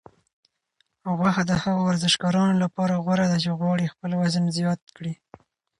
غوښه د هغو ورزشکارانو لپاره غوره ده چې غواړي خپل وزن زیات کړي.